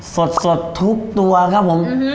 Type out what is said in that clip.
สดทุกตัวครับผม